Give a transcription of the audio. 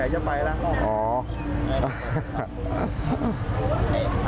ไหนจะไปละเมื่อไหร่เท่านั้น